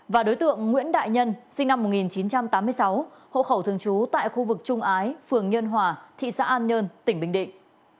và đối tượng nguyễn đại nhân sinh năm một nghìn chín trăm tám mươi sáu hộ khẩu thường trú tại khu vực trung ái phường nhân hòa thị xã an nhơn tỉnh bình định